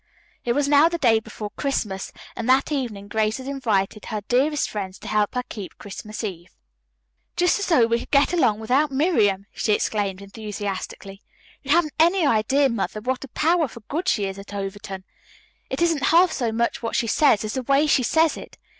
It was now the day before Christmas, and that evening Grace had invited her dearest friends to help her keep Christmas Eve. "Just as though we could get along without Miriam!" she exclaimed enthusiastically. "You haven't any idea, Mother, what a power for good she is at Overton. It isn't half so much what she says as the way she says it.